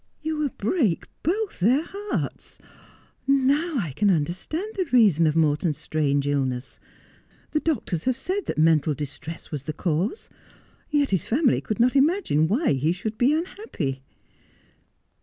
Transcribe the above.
' You will break both their hearts. Now I can understand the reason of Morton's strange illness. The doctors have said that mental distress was the cause. Yet his family could not imagine why he should be unhappy.'